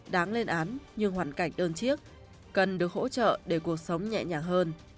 đáng lên án như hoàn cảnh đơn chiếc cần được hỗ trợ để cuộc sống nhẹ nhàng hơn